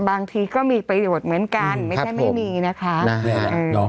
บางทีก็มีประโยชน์เหมือนกันไม่ใช่ไม่มีนะคะแน่แรกเนอะอืม